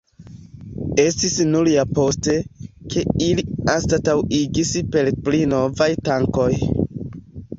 Estis nur ja poste, ke ili anstataŭigis per pli novaj tankoj.